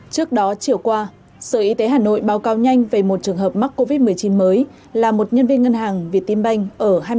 trước đó chiều qua sở y tế hà nội báo cáo nhanh về một trường hợp mắc covid một mươi chín mới là một nhân viên ngân hàng việt tiên banh ở